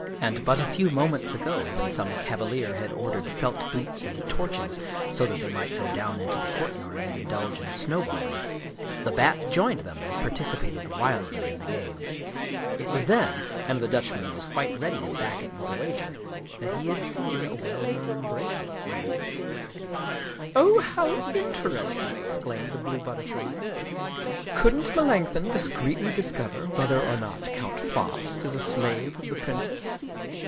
And but a few moments ago, when some cavalier had or dered felt boots and torches so that they might go down into the courtyard and indulge in snowballing, the Bat joined them and participated wildly in the game. It was then and the Dutchman was quite ready to back it with 9 German Mystery Stories a wager that he had seen a well known bracelet on her wrist. " Oh, how interesting," exclaimed a Blue Butterfly. " Couldn't Melanchthon discreetly discover whether or not Count Faast is a slave of the princess